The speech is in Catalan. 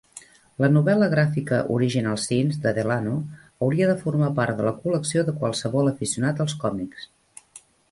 La novel·la gràfica "Originals Sins" de Delano hauria de formar part de la col·lecció de qualsevol aficionat als còmics.